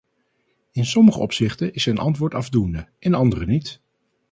In sommige opzichten is zijn antwoord afdoende, in andere niet.